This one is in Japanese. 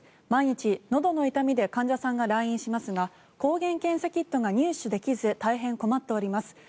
毎日、のどの痛みで患者さんが来院しますが抗原検査キットが入手できず大変困っております。